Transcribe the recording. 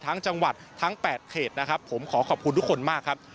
ทั้งจังหวัดทั้ง๘เขตนะครับผมขอขอบคุณทุกคนมากครับ